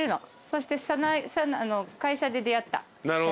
そして会社で出会った。